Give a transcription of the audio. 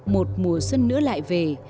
một mùa xuân nữa lại về